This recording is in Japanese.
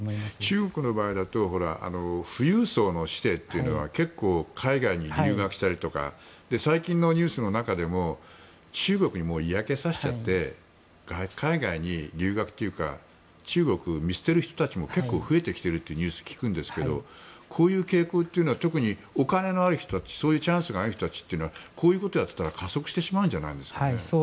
中国の場合だと富裕層の子弟が海外に留学したりとか最近のニュースでも中国に嫌気がさしちゃって海外に留学というか中国を見捨てる人たちも結構、増えてきているというニュースも聞くんですがこういう傾向は特にお金のある人たちそういうチャンスがある人たちはこういうことをやってたら加速してしまうんじゃないですかね。